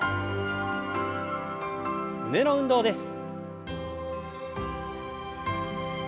胸の運動です。